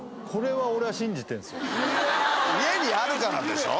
家にあるからでしょ？